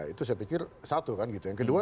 itu saya pikir satu kan gitu yang kedua